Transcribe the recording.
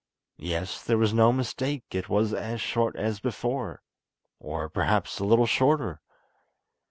Yes, there was no mistake, it was as short as before, or perhaps a little shorter.